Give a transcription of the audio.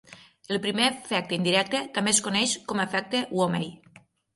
El primer efecte indirecte també es coneix com a efecte Twomey.